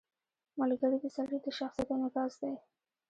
• ملګری د سړي د شخصیت انعکاس دی.